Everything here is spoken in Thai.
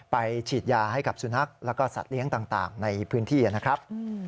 ฉีดยาให้กับสุนัขแล้วก็สัตว์เลี้ยงต่างในพื้นที่นะครับ